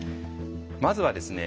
まずはですね